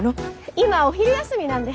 今お昼休みなんで。